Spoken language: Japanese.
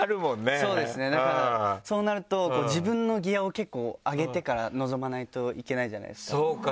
そうですねだからそうなると自分のギアを結構上げてから臨まないといけないじゃないですか。